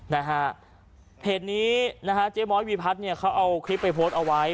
นะฮะเพจนี้นะฮะเจ๊ม้อยวีพัฒน์เนี่ยเขาเอาคลิปไปโพสต์เอาไว้